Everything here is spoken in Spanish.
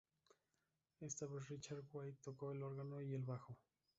Esa vez Richard Wright tocó el órgano y el bajo.